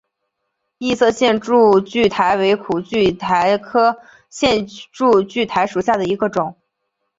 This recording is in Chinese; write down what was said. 异色线柱苣苔为苦苣苔科线柱苣苔属下的一个种。